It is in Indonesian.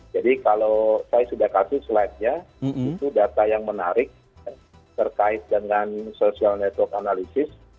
jadi kalau saya sudah kasih slide nya itu data yang menarik terkait dengan social network analysis